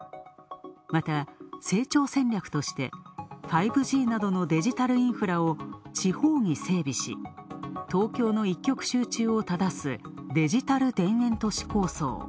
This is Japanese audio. また、成長戦略として５Ｇなどのデジタルインフラを地方に整備し、東京の一極集中をただす、デジタル田園都市構想。